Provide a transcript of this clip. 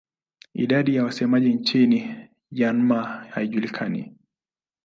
Idadi ya wasemaji nchini Myanmar haijulikani.